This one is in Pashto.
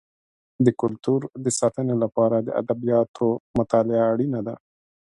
د کلتور د ساتنې لپاره د ادبیاتو مطالعه اړینه ده.